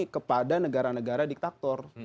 kepada negara negara diktator